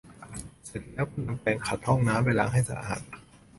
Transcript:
เสร็จแล้วก็นำแปรงขัดห้องน้ำไปล้างให้สะอาด